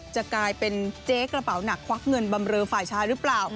จะกลายเป็นเจ๊กระเป๋าหนักควักเงินบำเรอฝ่ายชายหรือเปล่า